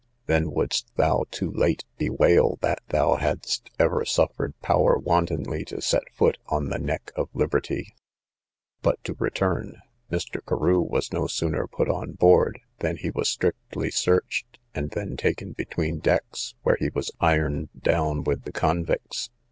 then wouldst thou, too late, bewail that thou hadst ever suffered power wantonly to set foot on the neck of liberty. But to return: Mr. Carew was no sooner put on board, than he was strictly searched, and then taken between decks, where he was ironed down with the convicts.